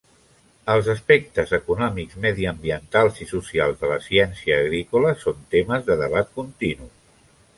Els aspectes econòmics, mediambientals i socials de la ciència agrícola són temes de debat continu.